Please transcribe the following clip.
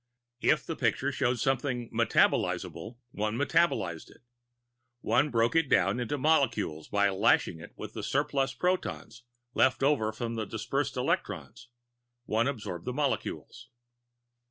If the picture showed something metabolizable, one metabolized it. One broke it down into molecules by lashing it with the surplus protons left over from the dispersed electrons; one adsorbed the molecules.